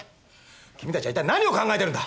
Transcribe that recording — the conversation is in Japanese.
君たちはいったい何を考えてるんだ！